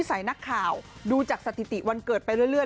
นิสัยนักข่าวดูของสศิษย์วันเกิดไปเรื่อย